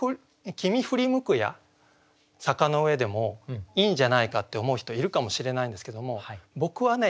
振り向くや坂の上」でもいいんじゃないかって思う人いるかもしれないんですけども僕はね